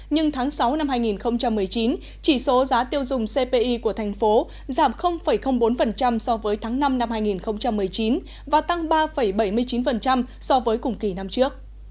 nhưng tháng sáu năm hai nghìn một mươi chín chỉ số giá tiêu dùng cpi của thành phố giảm bốn so với tháng năm năm hai nghìn một mươi chín và tăng ba bảy mươi chín so với cùng kỳ năm trước